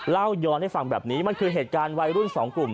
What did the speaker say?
เล่าย้อนให้ฟังแบบนี้มันคือเหตุการณ์วัยรุ่นสองกลุ่ม